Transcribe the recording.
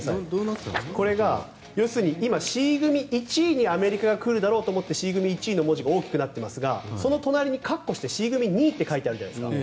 これが要するに今、Ｃ組１位にアメリカが来るだろうと思ってＣ組１位の文字が大きくなっていますがその隣に括弧でＣ組２位って書いてあるじゃないですか。